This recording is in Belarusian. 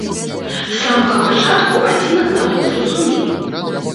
З самага пачатку адзін аднаго зразумелі.